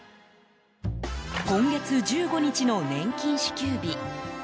今月１５日の年金支給日。